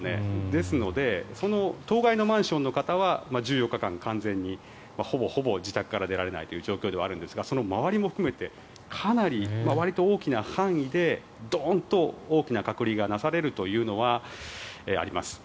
ですのでその当該のマンションの方は１４日間、完全にほぼほぼ自宅から出られないという状況なんですがその周りも含めてかなりわりと大きな範囲でドーンと大きな隔離がなされるというのはあります。